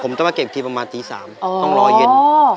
ผมต้องมาเก็บทีประมาณตี๓ต้องรอเย็น